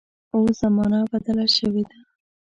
اوس زمانه بدله شوې ده.